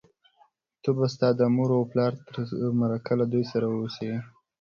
ته به ستا د مور و پلار تر مرګه له دوی سره اوسې،